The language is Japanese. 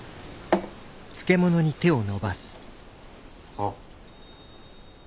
あっ。